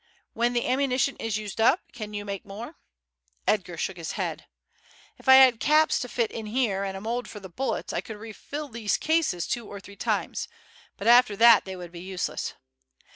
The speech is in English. When the ammunition is used up can you make more?" Edgar shook his head. "If I had caps to fit in here and a mould for the bullets I could refill these cases two or three times, but after that they would be useless.